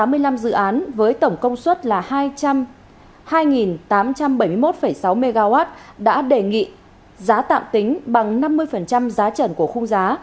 có tám mươi năm dự án với tổng công suất là hai tám trăm bảy mươi một sáu mw đã đề nghị giá tạm tính bằng năm mươi giá trần của khung giá